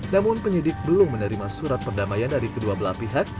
namun penyidik belum menerima surat perdamaian dari kedua belah pihak